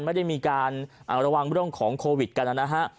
ไม่ได้มีการระวังเรื่องของโควิดกันนะฮะ